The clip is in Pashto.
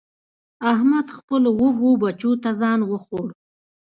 احمد خپلو وږو بچو ته ځان وخوړ.